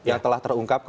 yang telah terungkap